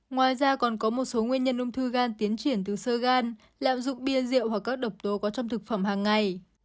ngoài ra còn có một số nguyên nhân ung thư gan tiến triển từ sơ gan lạm dụng bia rượu hoặc các độc tố có trong thực phẩm hàng ngày